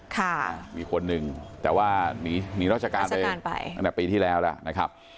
ค่ะมีคนนึงแต่ว่ามีรอชการไปอันดับปีที่แล้วแล้วนะครับ